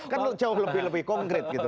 kan jauh lebih konkret gitu